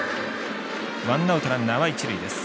ワンアウト、ランナーは一塁です。